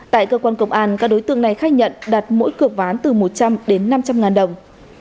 tại cơ quan công an các đối tượng này khai nhận đặt mỗi cửa ván từ một trăm linh đến năm trăm linh ngàn đồng